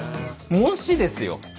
もしですよ